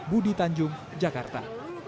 budi tanjung jakarta